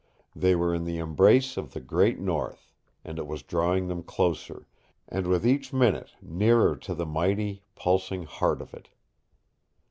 They were in the embrace of the Great North, and it was drawing them closer, and with each minute nearer to the mighty, pulsing heart of it.